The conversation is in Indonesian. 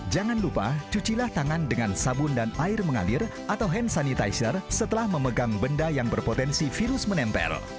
jangan lupa cucilah tangan dengan sabun dan air mengalir atau hand sanitizer setelah memegang benda yang berpotensi virus menempel